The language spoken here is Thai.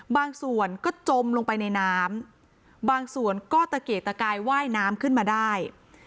บางส่วนก็จมลงไปในน้ำบางส่วนก็ตะเกกตะกายว่ายน้ำขึ้นมาได้